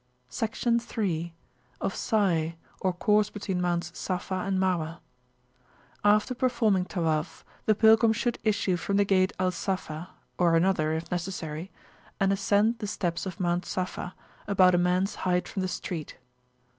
Section III.Of Sai, or Course between Mounts Safa and Marwah. After performing Tawaf, the pilgrim should issue from the gate Al Safa (or another, if necessary), and ascend the steps of Mount Safa, about a mans height from the street.